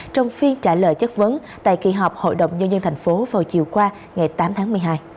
trong phiên trả lời chất vấn tại kỳ họp hội đồng nhân dân thành phố vào chiều qua ngày tám tháng một mươi hai